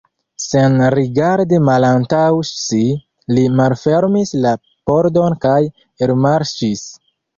Sen rigardi malantaŭ si, li malfermis la pordon kaj elmarŝis.